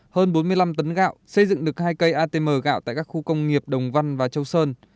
hơn bốn mươi năm tấn gạo xây dựng được hai cây atm gạo tại các khu công nghiệp đồng văn và châu sơn